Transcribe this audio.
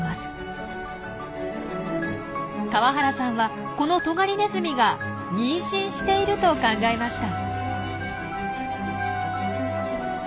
河原さんはこのトガリネズミが妊娠していると考えました。